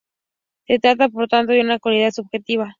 Se trata por tanto de una cualidad subjetiva.